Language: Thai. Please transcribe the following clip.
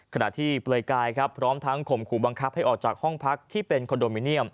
ขณะที่เปลือยกายครับพร้อมทั้งข่มขู่บังคับให้ออกจากห้องพักที่เป็นคอนโดมิเนียม